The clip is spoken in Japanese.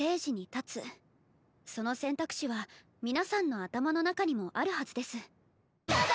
その選択肢は皆さんの頭の中にもあるはずです。